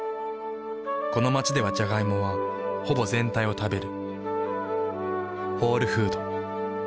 この街ではジャガイモはほぼ全体を食べる。